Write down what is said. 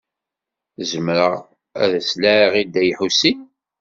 Zemreɣ ad s-laɛiɣ i Dda Lḥusin.